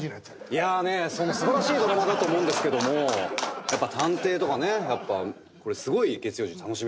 いやあね素晴らしいドラマだと思うんですけども探偵とかねすごい月曜１０時楽しみですね。